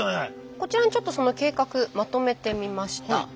こちらにちょっとその計画まとめてみました。